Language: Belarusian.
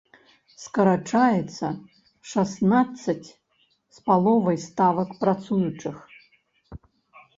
Скарачаецца шаснаццаць з паловай ставак працуючых.